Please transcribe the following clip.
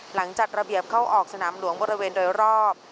จัดระเบียบเข้าออกสนามหลวงบริเวณโดยรอบ